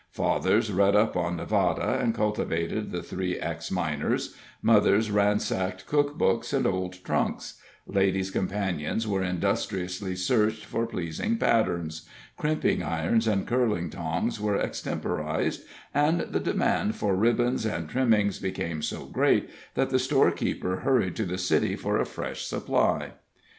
Fathers read up on Nevada, and cultivated the three ex miners; mothers ransacked cook books and old trunks; Ladies' Companions were industriously searched for pleasing patterns; crimping irons and curling tongs were extemporized, and the demand for ribbons and trimmings became so great that the storekeeper hurried to the city for a fresh supply.